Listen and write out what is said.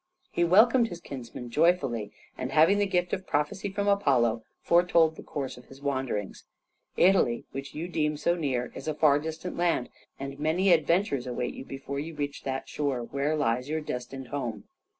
He welcomed his kinsman joyfully and, having the gift of prophecy from Apollo, foretold the course of his wanderings. "Italy, which you deem so near, is a far distant land, and many adventures await you before you reach that shore where lies your destined home.